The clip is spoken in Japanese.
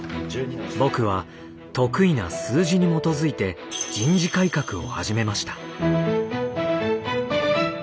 僕は得意な数字に基づいて人事改革を始めました。